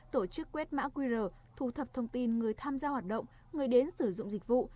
tổ chức quét mã qr thu thập thông tin người tham gia hoạt động người đến sử dụng dịch vụ